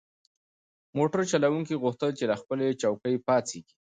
موټر چلونکي غوښتل چې له خپلې چوکۍ پاڅیږي.